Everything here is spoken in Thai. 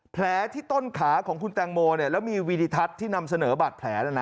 แผลที่ต้นขาของคุณแตงโมแล้วมีวีดิทัศน์ที่นำเสนอบาดแผล